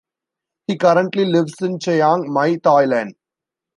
He currently lives in Chiang Mai, Thailand.